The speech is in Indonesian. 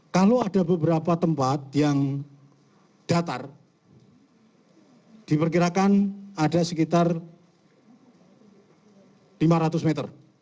kalau ada beberapa tempat yang datar diperkirakan ada sekitar lima ratus meter